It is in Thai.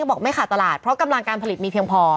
บอกไม่ขาดตลาดเพราะกำลังการผลิตมีเพียงพอ